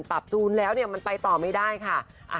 ปรับจูนแล้วเนี่ยมันไปต่อไม่ได้ค่ะ